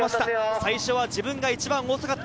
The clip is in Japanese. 最初は自分が一番遅かった。